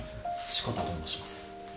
志子田と申します。